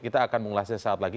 kita akan mengulasnya saat lagi